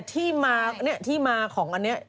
ที่มาที่มาของอันนี้